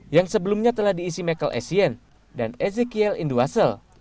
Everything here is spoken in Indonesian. yang sebelumnya telah diisi michael essien dan ezekiel enduasel